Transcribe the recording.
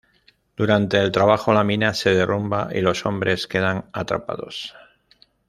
Durante el trabajo la mina se derrumba y los hombres quedan atrapados.